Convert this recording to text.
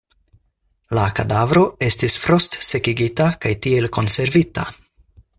La kadavro estis frost-sekigita kaj tiel konservita.